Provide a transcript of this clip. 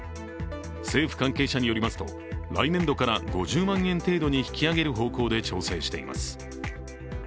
政府関係者によりますと来年度から５０万円程度に引き上げる方向で調整しています。